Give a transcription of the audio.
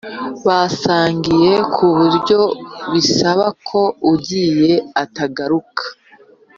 Basangiye ku buryo bisaba ko ugiye atagaruka